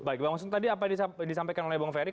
baik bang usman tadi apa yang disampaikan oleh bang ferry